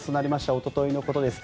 おとといのことです。